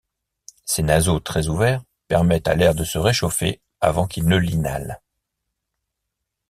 Ses naseaux très ouverts permettent à l'air de se réchauffer avant qu'il ne l'inhale.